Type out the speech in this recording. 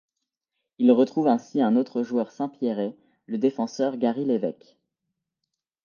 Il retrouve ainsi un autre joueur Saint-Pierrais, le défenseur Gary Lévêque.